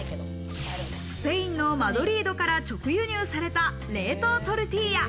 スペインのマドリードから直輸入された冷凍トルティーヤ。